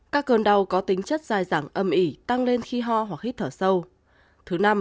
hai các cơn đau có tính chất dài dẳng âm ỉ tăng lên khi ho hoặc hít thở sâu